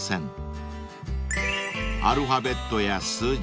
［アルファベットや数字